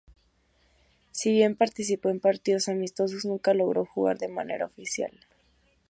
Si bien participó en partidos amistosos, nunca logró jugar de manera oficial.